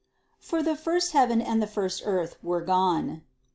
"For the first heaven and the first earth were gone."